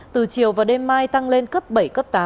từ chiều và đêm mai tăng lên cấp bảy cấp tám